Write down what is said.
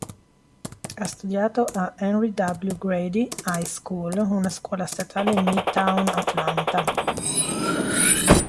Ha studiato a Henry W. Grady High School, una scuola statale in Midtown Atlanta.